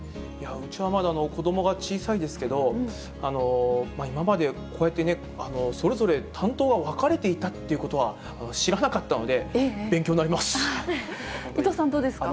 うちはまだ子どもが小さいですけど、今までこうやってね、それぞれ担当が分かれていたということは知らなかったので、伊藤さん、どうですか。